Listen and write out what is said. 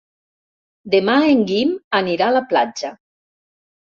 Demà en Guim anirà a la platja.